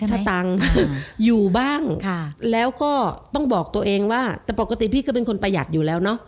สตังค์อยู่บ้างแล้วก็ต้องบอกตัวเองว่าแต่ปกติพี่ก็เป็นคนประหยัดอยู่แล้วเนอะ